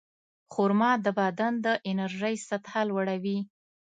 خرما د بدن د انرژۍ سطحه لوړوي.